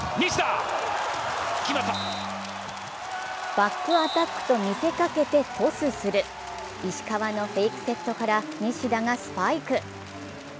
バックアタックと見せかけてトスする、石川のフェイクセットから西田がスパイク。